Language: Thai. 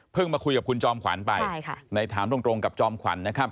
มาคุยกับคุณจอมขวัญไปในถามตรงกับจอมขวัญนะครับ